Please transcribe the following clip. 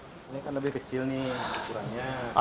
ini kan lebih kecil nih ukurannya